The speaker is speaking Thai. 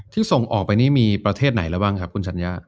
ที่ส่งออกไปนี่มีประเทศไหนแล้วบ้างค่ะคุณฉันย่า